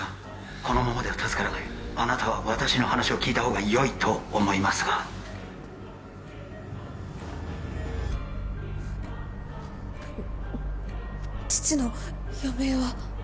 このままでは助からないあなたは私の話を聞いた方がよいと思いますが父の余命は？